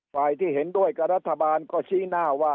ฝ่ายที่เห็นด้วยกับรัฐบาลก็ชี้หน้าว่า